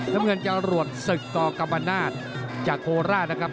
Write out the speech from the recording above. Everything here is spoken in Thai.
น้ำเงินจรวดศึกกกรรมนาศจากโคราชนะครับ